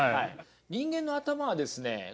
人間の頭はですね